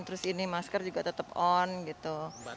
terus ini masker juga tetap on gitu